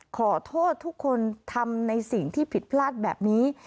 ขอโทษทุกคนทำในสิ่งที่ผิดพลาดแบบนี้